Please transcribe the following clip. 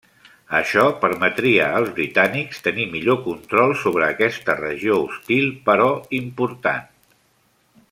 Això permetria als britànics tenir millor control sobre aquesta regió hostil però important.